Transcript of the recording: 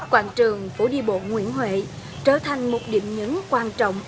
quảng trường phố đi bộ nguyễn huệ trở thành một điểm nhấn quan trọng